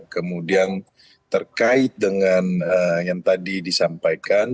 kemudian terkait dengan yang tadi disampaikan